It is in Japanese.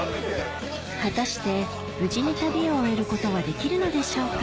果たして無事に旅を終えることはできるのでしょうか？